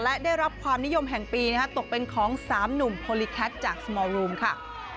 และได้รับความนิยมแห่งปีตกเป็นของ๓หนุ่มโพลิแคทจากสมอร์รูมค่ะ